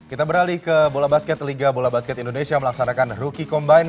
kita beralih ke bola basket liga bola basket indonesia melaksanakan rookie combine